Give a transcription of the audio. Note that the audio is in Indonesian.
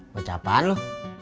baca apaan lu